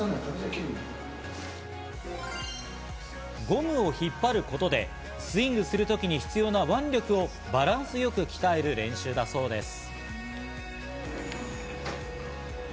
ゴムを引っ張ることでスイングするときに必要な腕力をバランスよく鍛える練習だそうです。